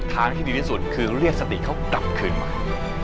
ทางที่ดีที่สุดคือเรียกสติเขากลับคืนมา